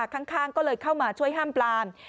ข้างก็เลยเข้ามาช่วยห้ามปลาม